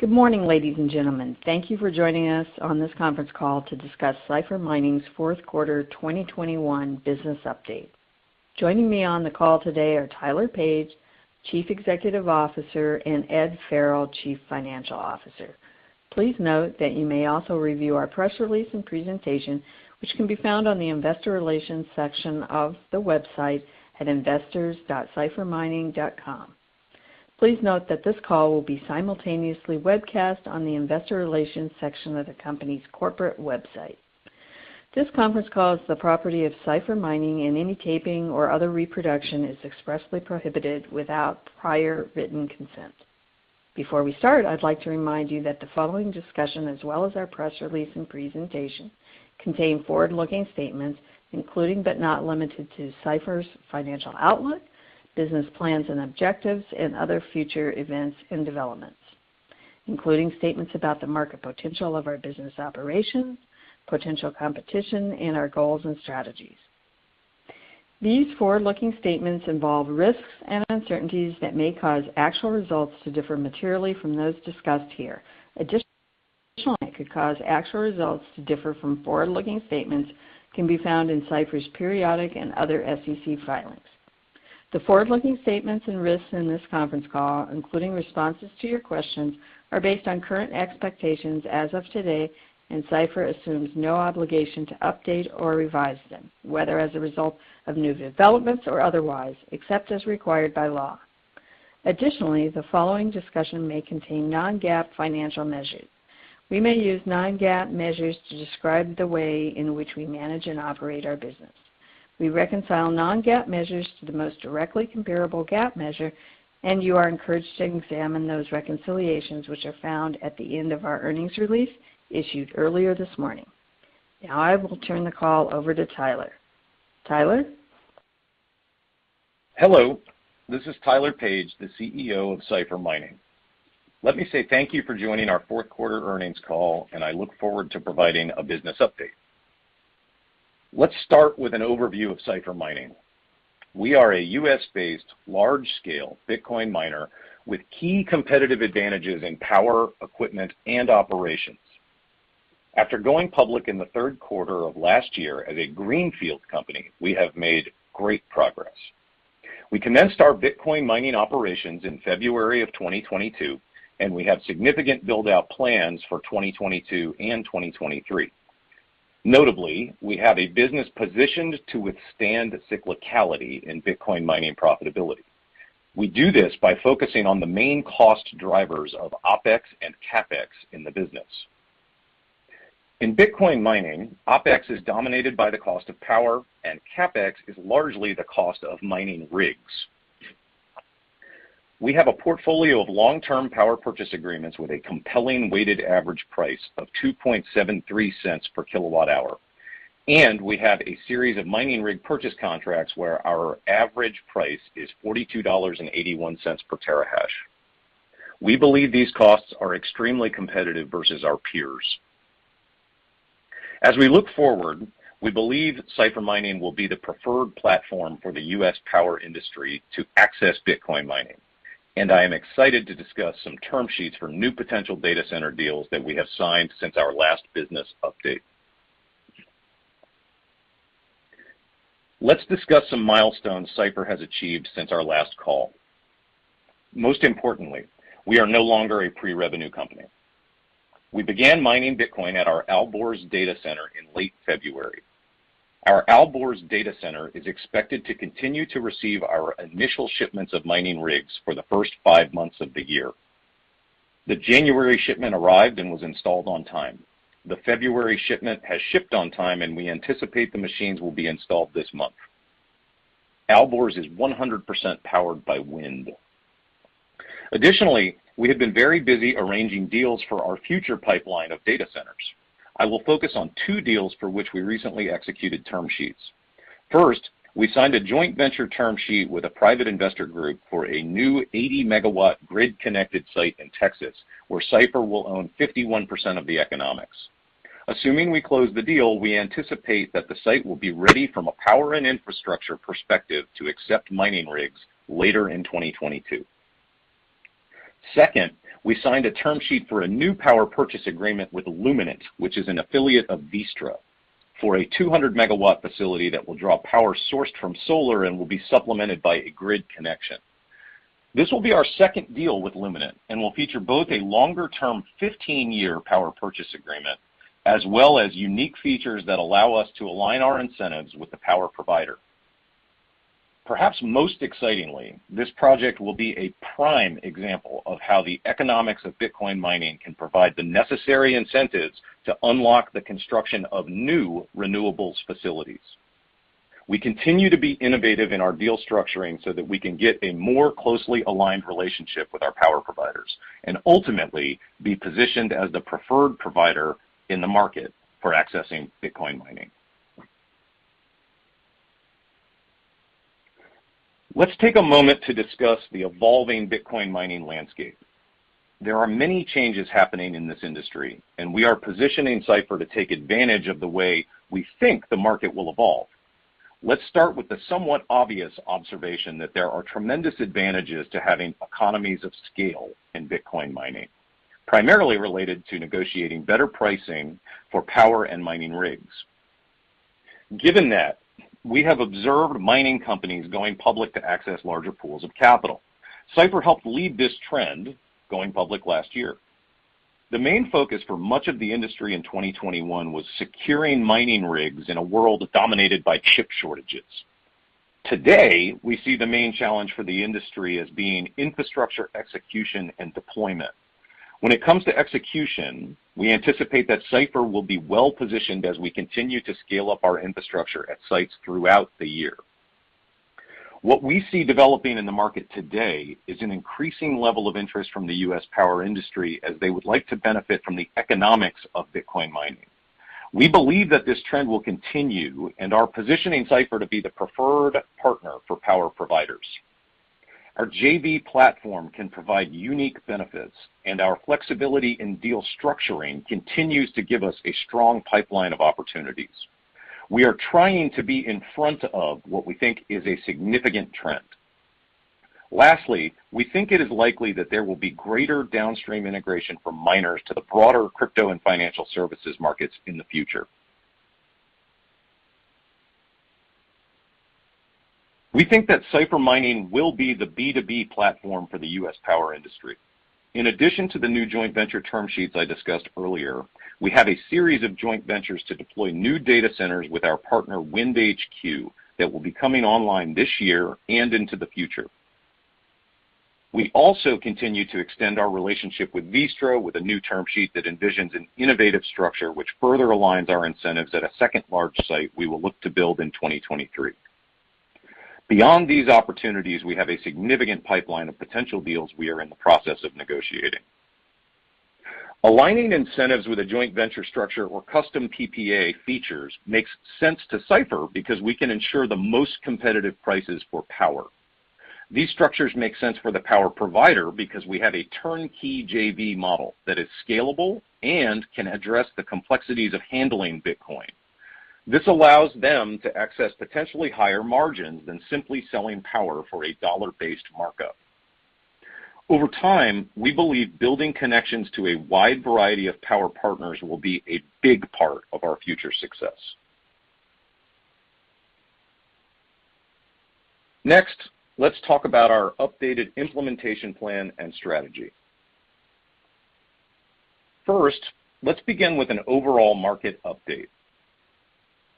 Good morning, ladies and gentlemen. Thank you for joining us on this conference call to discuss Cipher Mining's fourth quarter 2021 business update. Joining me on the call today are Tyler Page, Chief Executive Officer, and Ed Farrell, Chief Financial Officer. Please note that you may also review our press release and presentation, which can be found on the investor relations section of the website at investors.ciphermining.com. Please note that this call will be simultaneously webcast on the investor relations section of the company's corporate website. This conference call is the property of Cipher Mining, and any taping or other reproduction is expressly prohibited without prior written consent. Before we start, I'd like to remind you that the following discussion, as well as our press release and presentation, contain forward-looking statements, including, but not limited to, Cipher's financial outlook, business plans and objectives, and other future events and developments, including statements about the market potential of our business operations, potential competition, and our goals and strategies. These forward-looking statements involve risks and uncertainties that may cause actual results to differ materially from those discussed here. Additionally, risks and uncertainties that could cause actual results to differ from forward-looking statements can be found in Cipher's periodic and other SEC filings. The forward-looking statements and risks in this conference call, including responses to your questions, are based on current expectations as of today, and Cipher assumes no obligation to update or revise them, whether as a result of new developments or otherwise, except as required by law. Additionally, the following discussion may contain non-GAAP financial measures. We may use non-GAAP measures to describe the way in which we manage and operate our business. We reconcile non-GAAP measures to the most directly comparable GAAP measure, and you are encouraged to examine those reconciliations, which are found at the end of our earnings release issued earlier this morning. Now I will turn the call over to Tyler. Tyler? Hello, this is Tyler Page, the CEO of Cipher Mining. Let me say thank you for joining our fourth quarter earnings call, and I look forward to providing a business update. Let's start with an overview of Cipher Mining. We are a U.S.-based large-scale Bitcoin miner with key competitive advantages in power, equipment, and operations. After going public in the third quarter of last year as a greenfield company, we have made great progress. We commenced our Bitcoin mining operations in February of 2022, and we have significant build-out plans for 2022 and 2023. Notably, we have a business positioned to withstand cyclicality in Bitcoin mining profitability. We do this by focusing on the main cost drivers of OpEx and CapEx in the business. In Bitcoin mining, OpEx is dominated by the cost of power, and CapEx is largely the cost of mining rigs. We have a portfolio of long-term power purchase agreements with a compelling weighted average price of $0.0273 per kWh and we have a series of mining rig purchase contracts where our average price is $42.81 per terahash. We believe these costs are extremely competitive versus our peers. As we look forward, we believe Cipher Mining will be the preferred platform for the U.S. power industry to access Bitcoin mining, and I am excited to discuss some term sheets for new potential data center deals that we have signed since our last business update. Let's discuss some milestones Cipher has achieved since our last call. Most importantly, we are no longer a pre-revenue company. We began mining Bitcoin at our Alborz data center in late February. Our Alborz data center is expected to continue to receive our initial shipments of mining rigs for the first five months of the year. The January shipment arrived and was installed on time. The February shipment has shipped on time, and we anticipate the machines will be installed this month. Alborz is 100% powered by wind. Additionally, we have been very busy arranging deals for our future pipeline of data centers. I will focus on two deals for which we recently executed term sheets. First, we signed a joint venture term sheet with a private investor group for a new 80 MW grid-connected site in Texas, where Cipher will own 51% of the economics. Assuming we close the deal, we anticipate that the site will be ready from a power and infrastructure perspective to accept mining rigs later in 2022. Second, we signed a term sheet for a new power purchase agreement with Luminant, which is an affiliate of Vistra, for a 200-MW facility that will draw power sourced from solar and will be supplemented by a grid connection. This will be our second deal with Luminant and will feature both a longer-term 15-year power purchase agreement as well as unique features that allow us to align our incentives with the power provider. Perhaps most excitingly, this project will be a prime example of how the economics of Bitcoin mining can provide the necessary incentives to unlock the construction of new renewables facilities. We continue to be innovative in our deal structuring so that we can get a more closely aligned relationship with our power providers and ultimately be positioned as the preferred provider in the market for accessing Bitcoin mining. Let's take a moment to discuss the evolving Bitcoin mining landscape. There are many changes happening in this industry, and we are positioning Cipher to take advantage of the way we think the market will evolve. Let's start with the somewhat obvious observation that there are tremendous advantages to having economies of scale in Bitcoin mining, primarily related to negotiating better pricing for power and mining rigs. Given that, we have observed mining companies going public to access larger pools of capital. Cipher helped lead this trend, going public last year. The main focus for much of the industry in 2021 was securing mining rigs in a world dominated by chip shortages. Today, we see the main challenge for the industry as being infrastructure execution and deployment. When it comes to execution, we anticipate that Cipher will be well-positioned as we continue to scale up our infrastructure at sites throughout the year. What we see developing in the market today is an increasing level of interest from the U.S. power industry as they would like to benefit from the economics of Bitcoin mining. We believe that this trend will continue and are positioning Cipher to be the preferred partner for power providers. Our JV platform can provide unique benefits, and our flexibility in deal structuring continues to give us a strong pipeline of opportunities. We are trying to be in front of what we think is a significant trend. Lastly, we think it is likely that there will be greater downstream integration from miners to the broader crypto and financial services markets in the future. We think that Cipher Mining will be the B2B platform for the U.S. power industry. In addition to the new joint venture term sheets I discussed earlier, we have a series of joint ventures to deploy new data centers with our partner, WindHQ, that will be coming online this year and into the future. We also continue to extend our relationship with Vistra with a new term sheet that envisions an innovative structure which further aligns our incentives at a second large site we will look to build in 2023. Beyond these opportunities, we have a significant pipeline of potential deals we are in the process of negotiating. Aligning incentives with a joint venture structure or custom PPA features makes sense to Cipher because we can ensure the most competitive prices for power. These structures make sense for the power provider because we have a turnkey JV model that is scalable and can address the complexities of handling Bitcoin. This allows them to access potentially higher margins than simply selling power for a dollar-based markup. Over time, we believe building connections to a wide variety of power partners will be a big part of our future success. Next, let's talk about our updated implementation plan and strategy. First, let's begin with an overall market update.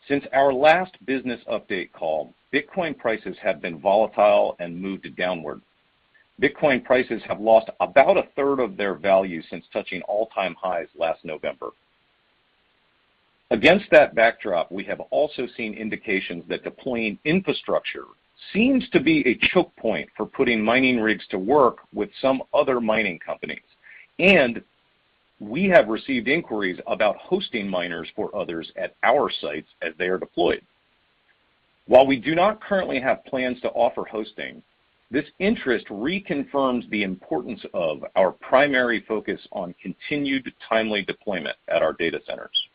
Since our last business update call, Bitcoin prices have been volatile and moved downward. Bitcoin prices have lost about a third of their value since touching all-time highs last November. Against that backdrop, we have also seen indications that deploying infrastructure seems to be a choke point for putting mining rigs to work with some other mining companies, and we have received inquiries about hosting miners for others at our sites as they are deployed. While we do not currently have plans to offer hosting, this interest reconfirms the importance of our primary focus on continued timely deployment at our data centers.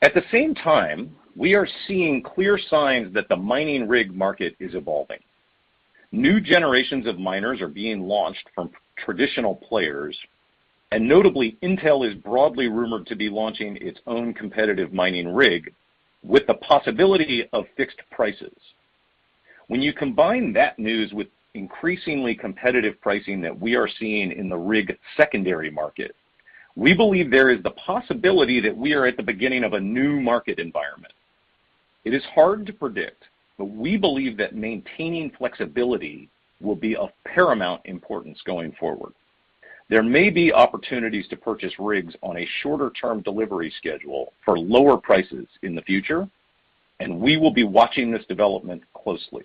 At the same time, we are seeing clear signs that the mining rig market is evolving. New generations of miners are being launched from traditional players, and notably, Intel is broadly rumored to be launching its own competitive mining rig with the possibility of fixed prices. When you combine that news with increasingly competitive pricing that we are seeing in the rig secondary market, we believe there is the possibility that we are at the beginning of a new market environment. It is hard to predict, but we believe that maintaining flexibility will be of paramount importance going forward. There may be opportunities to purchase rigs on a shorter-term delivery schedule for lower prices in the future, and we will be watching this development closely.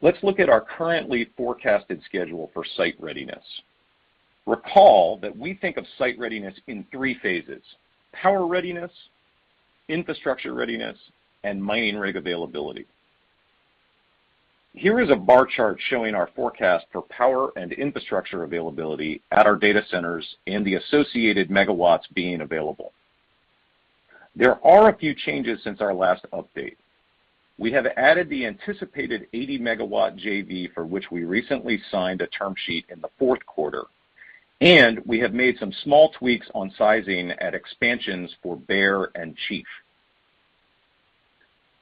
Let's look at our currently forecasted schedule for site readiness. Recall that we think of site readiness in three phases: power readiness, infrastructure readiness, and mining rig availability. Here is a bar chart showing our forecast for power and infrastructure availability at our data centers and the associated megawatts being available. There are a few changes since our last update. We have added the anticipated 80 MW JV for which we recently signed a term sheet in the fourth quarter, and we have made some small tweaks on sizing at expansions for Bear and Chief.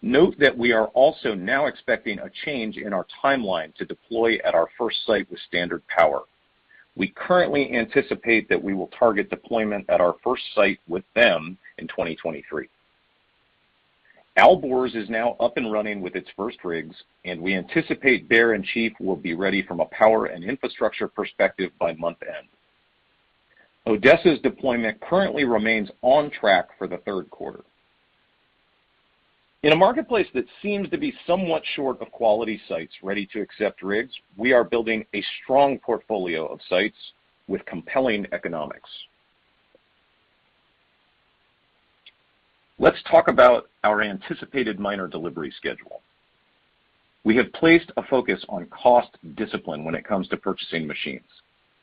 Note that we are also now expecting a change in our timeline to deploy at our first site with Standard Power. We currently anticipate that we will target deployment at our first site with them in 2023. Alborz is now up and running with its first rigs, and we anticipate Bear and Chief will be ready from a power and infrastructure perspective by month-end. Odessa's deployment currently remains on track for the third quarter. In a marketplace that seems to be somewhat short of quality sites ready to accept rigs, we are building a strong portfolio of sites with compelling economics. Let's talk about our anticipated miner delivery schedule. We have placed a focus on cost discipline when it comes to purchasing machines,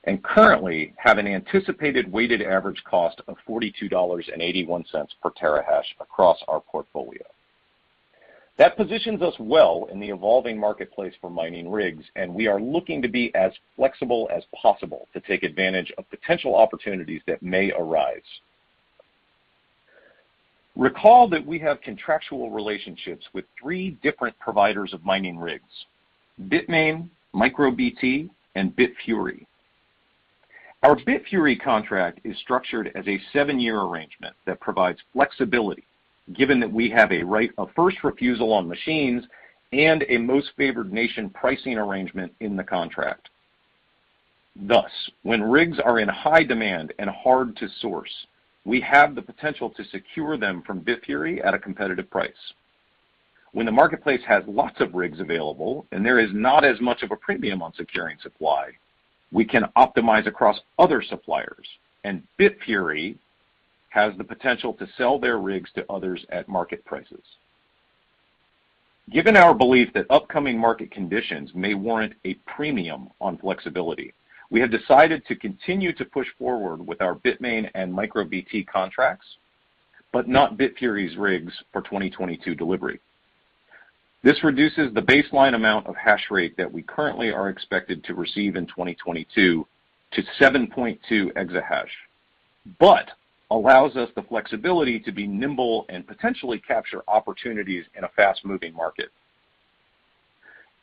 and currently have an anticipated weighted average cost of $42.81 per terahash across our portfolio. That positions us well in the evolving marketplace for mining rigs, and we are looking to be as flexible as possible to take advantage of potential opportunities that may arise. Recall that we have contractual relationships with three different providers of mining rigs, Bitmain, MicroBT, and Bitfury. Our Bitfury contract is structured as a seven-year arrangement that provides flexibility given that we have a right of first refusal on machines and a most favored nation pricing arrangement in the contract. Thus, when rigs are in high demand and hard to source, we have the potential to secure them from Bitfury at a competitive price. When the marketplace has lots of rigs available and there is not as much of a premium on securing supply, we can optimize across other suppliers, and Bitfury has the potential to sell their rigs to others at market prices. Given our belief that upcoming market conditions may warrant a premium on flexibility, we have decided to continue to push forward with our Bitmain and MicroBT contracts, but not Bitfury's rigs for 2022 delivery. This reduces the baseline amount of hash rate that we currently are expected to receive in 2022 to 7.2 exahash, but allows us the flexibility to be nimble and potentially capture opportunities in a fast-moving market.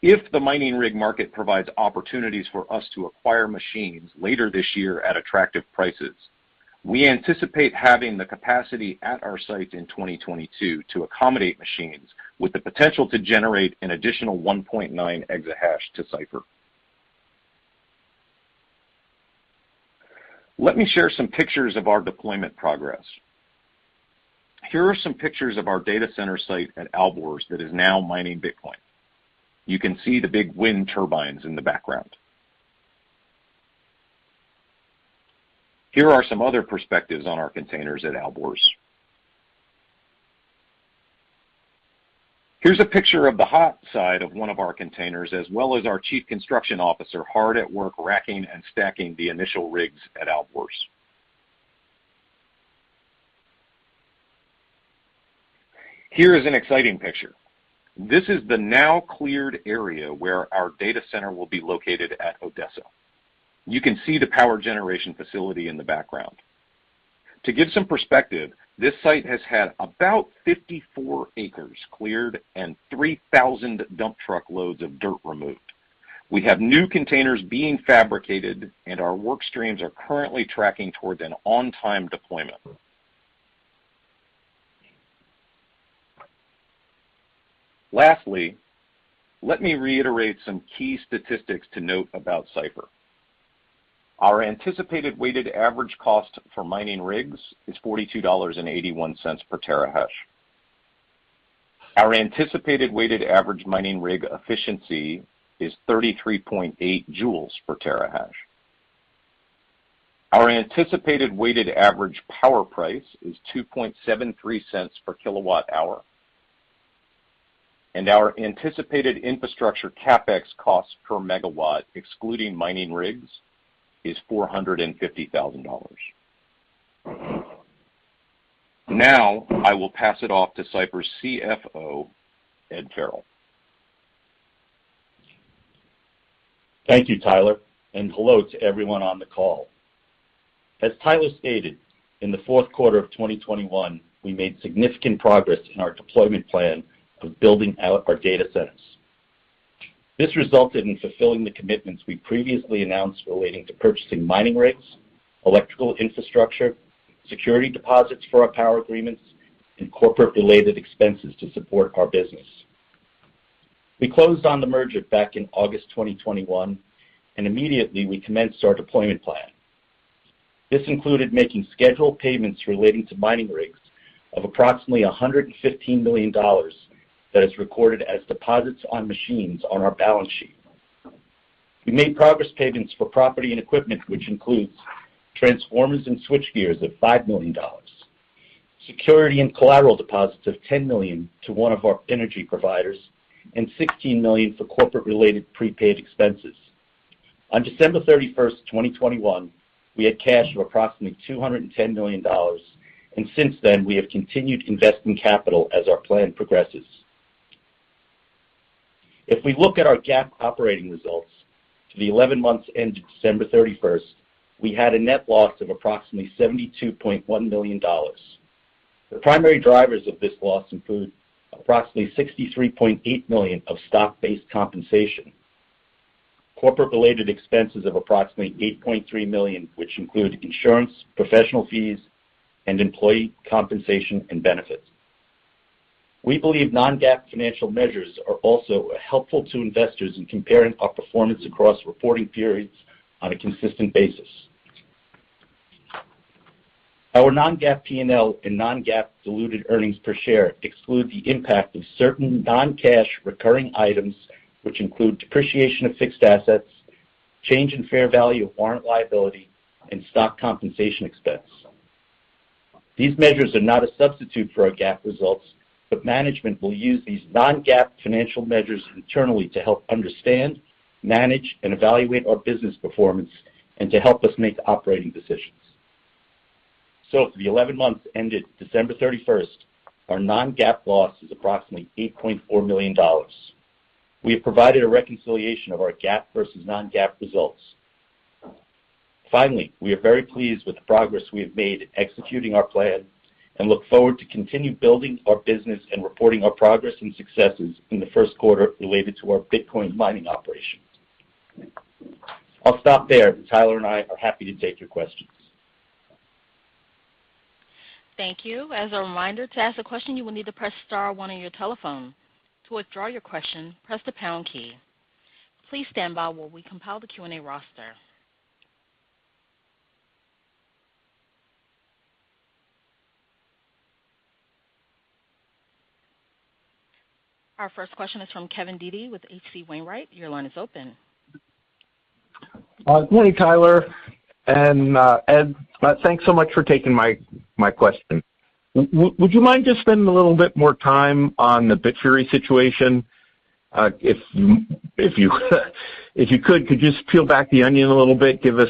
If the mining rig market provides opportunities for us to acquire machines later this year at attractive prices, we anticipate having the capacity at our site in 2022 to accommodate machines with the potential to generate an additional 1.9 exahash to Cipher. Let me share some pictures of our deployment progress. Here are some pictures of our data center site at Alborz that is now mining Bitcoin. You can see the big wind turbines in the background. Here are some other perspectives on our containers at Alborz. Here's a picture of the hot side of one of our containers, as well as our chief construction officer hard at work racking and stacking the initial rigs at Alborz. Here is an exciting picture. This is the now cleared area where our data center will be located at Odessa. You can see the power generation facility in the background. To give some perspective, this site has had about 54 acres cleared and 3,000 dump truck loads of dirt removed. We have new containers being fabricated, and our work streams are currently tracking towards an on-time deployment. Lastly, let me reiterate some key statistics to note about Cipher. Our anticipated weighted average cost for mining rigs is $42.81 per terahash. Our anticipated weighted average mining rig efficiency is 33.8 joules per terahash. Our anticipated weighted average power price is $2.73 per kWh. Our anticipated infrastructure CapEx cost per MW, excluding mining rigs, is $450,000. Now, I will pass it off to Cipher's CFO, Ed Farrell. Thank you, Tyler, and hello to everyone on the call. As Tyler stated, in the fourth quarter of 2021, we made significant progress in our deployment plan of building out our data centers. This resulted in fulfilling the commitments we previously announced relating to purchasing mining rigs, electrical infrastructure, security deposits for our power agreements, and corporate-related expenses to support our business. We closed on the merger back in August 2021, and immediately we commenced our deployment plan. This included making scheduled payments relating to mining rigs of approximately $115 million that is recorded as deposits on machines on our balance sheet. We made progress payments for property and equipment, which includes transformers and switch gears of $5 million, security and collateral deposits of $10 million to one of our energy providers, and $16 million for corporate-related prepaid expenses. On December 31st, 2021, we had cash of approximately $210 million, and since then, we have continued investing capital as our plan progresses. If we look at our GAAP operating results for the 11 months ended December 31st, we had a net loss of approximately $72.1 million. The primary drivers of this loss include approximately $63.8 million of stock-based compensation, corporate-related expenses of approximately $8.3 million, which include insurance, professional fees, and employee compensation and benefits. We believe non-GAAP financial measures are also helpful to investors in comparing our performance across reporting periods on a consistent basis. Our non-GAAP P&L and non-GAAP diluted earnings per share exclude the impact of certain non-cash recurring items, which include depreciation of fixed assets, change in fair value of warrant liability, and stock compensation expense. These measures are not a substitute for our GAAP results, but management will use these non-GAAP financial measures internally to help understand, manage, and evaluate our business performance and to help us make operating decisions. For the 11 months ended December 31st, our non-GAAP loss is approximately $8.4 million. We have provided a reconciliation of our GAAP versus non-GAAP results. Finally, we are very pleased with the progress we have made executing our plan and look forward to continue building our business and reporting our progress and successes in the first quarter related to our Bitcoin mining operations. I'll stop there. Tyler and I are happy to take your questions. Thank you. As a reminder, to ask a question, you will need to press star one on your telephone. To withdraw your question, press the pound key. Please stand by while we compile the Q&A roster. Our first question is from Kevin Dede with H.C. Wainwright. Your line is open. Good morning, Tyler and Ed. Thanks so much for taking my question. Would you mind just spending a little bit more time on the Bitfury situation? If you could just peel back the onion a little bit, give us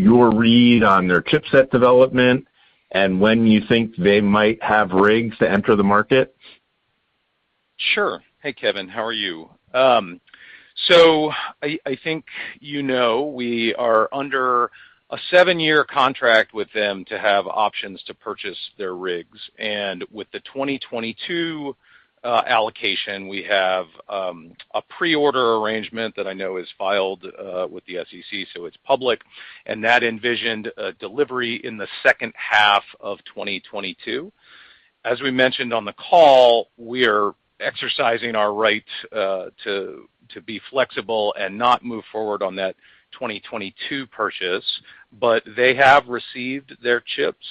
your read on their chipset development and when you think they might have rigs to enter the market? Sure. Hey, Kevin. How are you? I think you know we are under a seven-year contract with them to have options to purchase their rigs. With the 2022 allocation, we have a pre-order arrangement that I know is filed with the SEC, so it's public, and that envisioned a delivery in the second half of 2022. As we mentioned on the call, we are exercising our right to be flexible and not move forward on that 2022 purchase. They have received their chips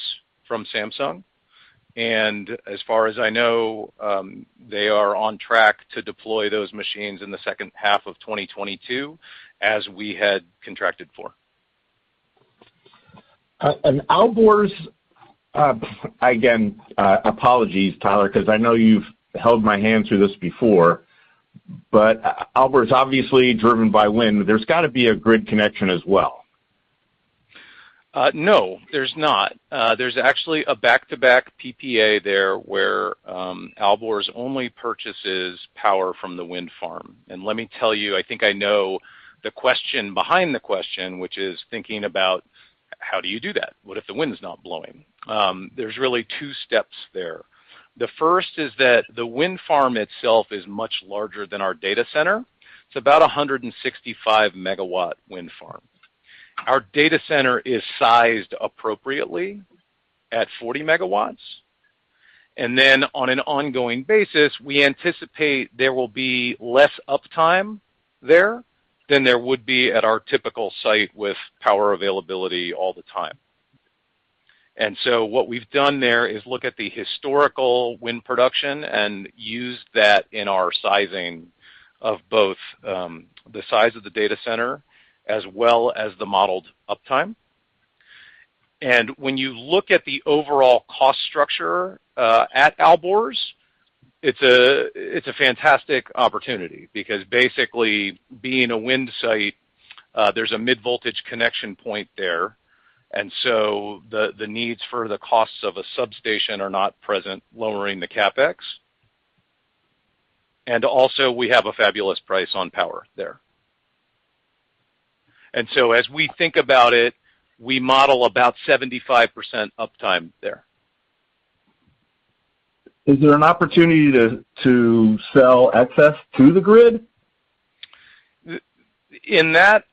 from Samsung. As far as I know, they are on track to deploy those machines in the second half of 2022, as we had contracted for. Alborz's, again, apologies, Tyler, because I know you've held my hand through this before, but Alborz's obviously driven by wind. There's gotta be a grid connection as well. No, there's not. There's actually a back-to-back PPA there where Alborz only purchases power from the wind farm. Let me tell you, I think I know the question behind the question, which is thinking about how do you do that? What if the wind's not blowing? There's really two steps there. The first is that the wind farm itself is much larger than our data center. It's about 165 MW wind farm. Our data center is sized appropriately at 40 MW. Then on an ongoing basis, we anticipate there will be less uptime there than there would be at our typical site with power availability all the time. What we've done there is look at the historical wind production and used that in our sizing of both, the size of the data center as well as the modeled uptime. When you look at the overall cost structure at Alborz, it's a fantastic opportunity because basically being a wind site, there's a mid-voltage connection point there. The needs for the costs of a substation are not present, lowering the CapEx. We have a fabulous price on power there. As we think about it, we model about 75% uptime there. Is there an opportunity to sell excess to the grid? In that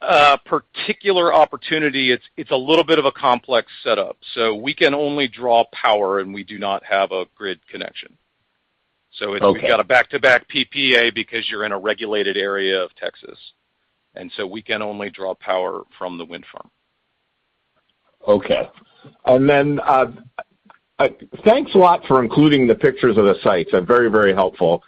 particular opportunity, it's a little bit of a complex setup, so we can only draw power, and we do not have a grid connection. Okay. We've got a back-to-back PPA because you're in a regulated area of Texas, and so we can only draw power from the wind farm. Okay. Thanks a lot for including the pictures of the sites. They're very, very helpful.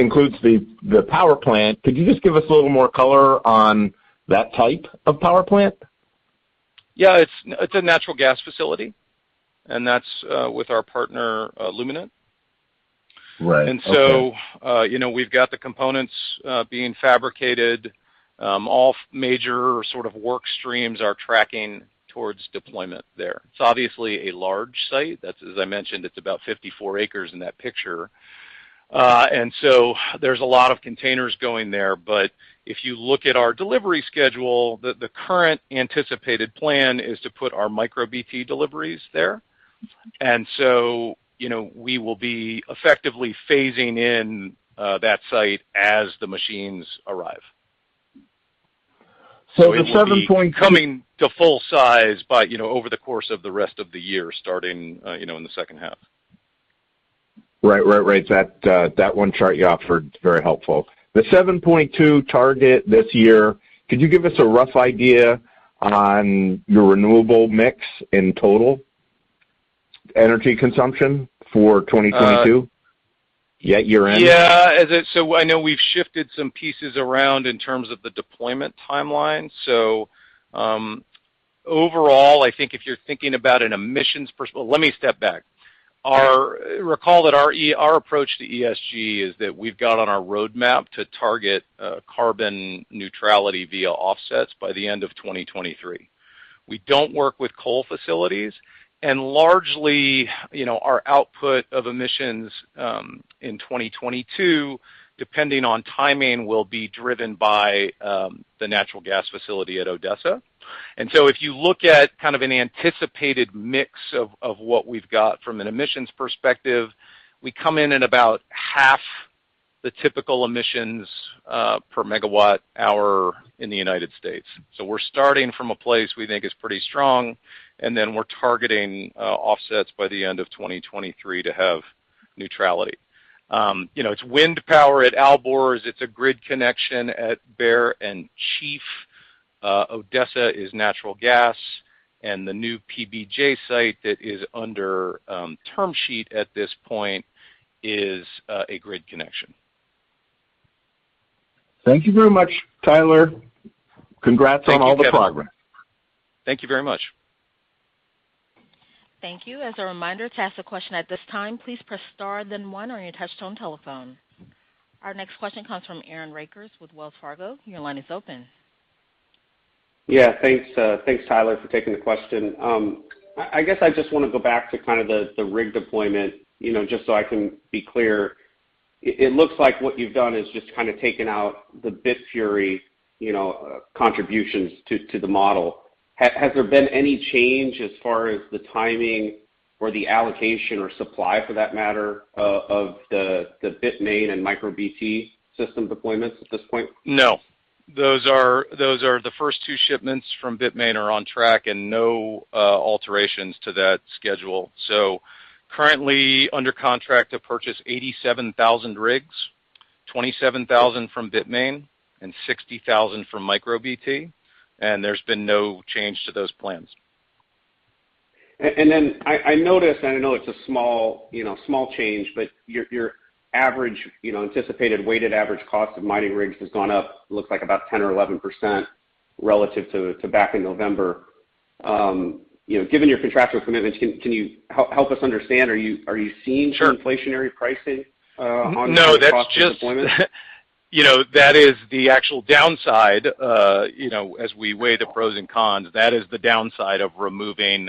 The Odessa one includes the power plant. Could you just give us a little more color on that type of power plant? Yeah. It's a natural gas facility, and that's with our partner Luminant. Right. Okay. You know, we've got the components being fabricated. All major sort of work streams are tracking towards deployment there. It's obviously a large site. That's, as I mentioned, about 54 acres in that picture. There's a lot of containers going there. But if you look at our delivery schedule, the current anticipated plan is to put our MicroBT deliveries there. You know, we will be effectively phasing in that site as the machines arrive. The 7-point- It will be coming to full size by, you know, over the course of the rest of the year, starting, you know, in the second half. Right. That one chart you offered, it's very helpful. The 7.2 target this year, could you give us a rough idea on your renewable mix in total energy consumption for 2022? Year-end? Yeah. I know we've shifted some pieces around in terms of the deployment timeline. Overall, I think if you're thinking about an emissions perspective. Let me step back. Recall that our approach to ESG is that we've got on our roadmap to target carbon neutrality via offsets by the end of 2023. We don't work with coal facilities, and largely, you know, our output of emissions in 2022, depending on timing, will be driven by the natural gas facility at Odessa. If you look at kind of an anticipated mix of what we've got from an emissions perspective, we come in at about half the typical emissions per megawatt-hour in the United States. We're starting from a place we think is pretty strong, and then we're targeting offsets by the end of 2023 to have neutrality. You know, it's wind power at Alborz. It's a grid connection at Bear and Chief. Odessa is natural gas, and the new PBJ site that is under term sheet at this point is a grid connection. Thank you very much, Tyler. Congrats on all the progress. Thank you, Kevin. Thank you very much. Thank you. As a reminder, to ask a question at this time, please press star then one on your touch tone telephone. Our next question comes from Aaron Rakers with Wells Fargo. Your line is open. Yeah, thanks, Tyler, for taking the question. I guess I just wanna go back to the rig deployment, you know, just so I can be clear. It looks like what you've done is just kind of taken out the Bitfury, you know, contributions to the model. Has there been any change as far as the timing or the allocation or supply for that matter of the Bitmain and MicroBT system deployments at this point? No. Those are the first two shipments from Bitmain are on track and no alterations to that schedule. Currently under contract to purchase 87,000 rigs, 27,000 from Bitmain and 60,000 from MicroBT, and there's been no change to those plans. I noticed, and I know it's a small, you know, small change, but your average, you know, anticipated weighted average cost of mining rigs has gone up, looks like about 10 or 11% relative to back in November. You know, given your contractual commitments, can you help us understand, are you seeing- Sure. -some inflationary pricing on the rig cost deployment? No. That's just, you know, that is the actual downside, you know, as we weigh the pros and cons. That is the downside of removing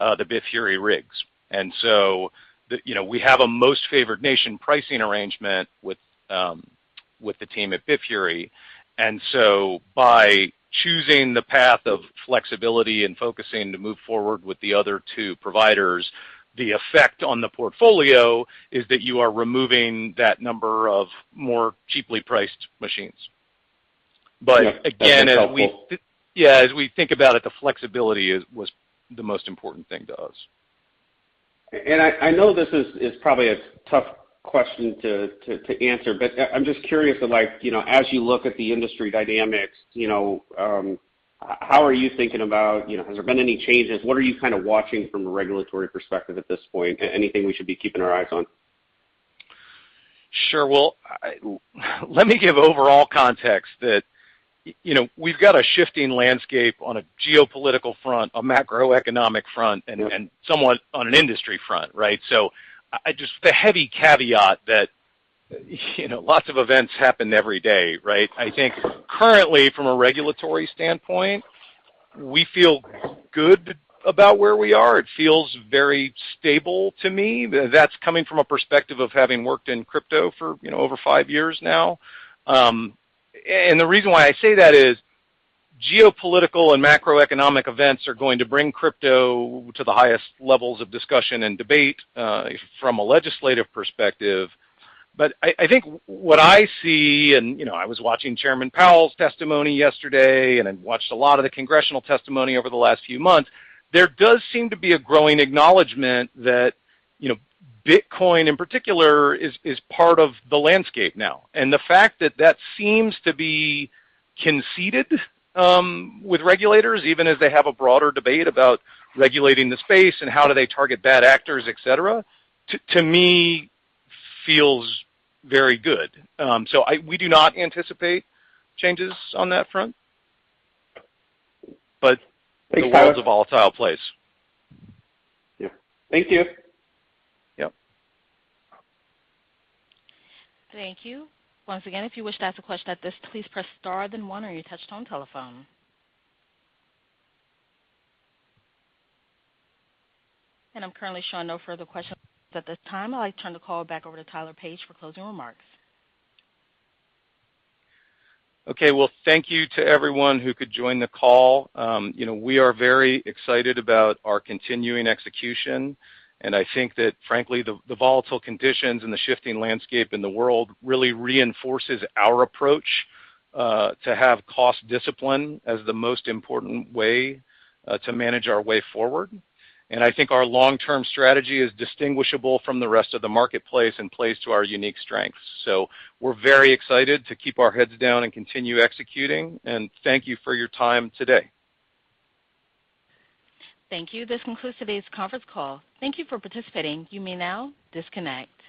the Bitfury rigs. You know, we have a most favored nation pricing arrangement with the team at Bitfury. By choosing the path of flexibility and focusing to move forward with the other two providers, the effect on the portfolio is that you are removing that number of more cheaply priced machines. Again, as we- Yeah. That's helpful. Yeah. As we think about it, the flexibility was the most important thing to us. I know this is probably a tough question to answer, but I'm just curious, like, you know, as you look at the industry dynamics, you know, how are you thinking about, you know, has there been any changes? What are you kind of watching from a regulatory perspective at this point? Anything we should be keeping our eyes on? Sure. Well, let me give overall context that, you know, we've got a shifting landscape on a geopolitical front, a macroeconomic front, and somewhat on an industry front, right? The heavy caveat that, you know, lots of events happen every day, right? I think currently from a regulatory standpoint, we feel good about where we are. It feels very stable to me. That's coming from a perspective of having worked in crypto for, you know, over five years now. The reason why I say that is geopolitical and macroeconomic events are going to bring crypto to the highest levels of discussion and debate from a legislative perspective. I think what I see and, you know, I was watching Chairman Powell's testimony yesterday, and I've watched a lot of the congressional testimony over the last few months. There does seem to be a growing acknowledgment that, you know, Bitcoin in particular is part of the landscape now. The fact that that seems to be conceded with regulators, even as they have a broader debate about regulating the space and how do they target bad actors, et cetera, to me, feels very good. We do not anticipate changes on that front. The world's a volatile place. Yeah. Thank you. Yep. Thank you. Once again, if you wish to ask a question at this, please press star then one on your touch tone telephone. I'm currently showing no further questions at this time. I'd like to turn the call back over to Tyler Page for closing remarks. Okay. Well, thank you to everyone who could join the call. You know, we are very excited about our continuing execution, and I think that frankly, the volatile conditions and the shifting landscape in the world really reinforces our approach to have cost discipline as the most important way to manage our way forward. I think our long-term strategy is distinguishable from the rest of the marketplace and plays to our unique strengths. We're very excited to keep our heads down and continue executing, and thank you for your time today. Thank you. This concludes today's conference call. Thank you for participating. You may now disconnect.